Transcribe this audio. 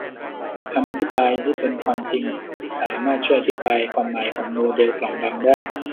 คำอธิบายที่เป็นความจริงสามารถช่วยอธิบายความหมายของโมเดลกล่องดำได้